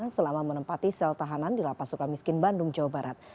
selama menempati sel tahanan di lapas suka miskin bandung jawa barat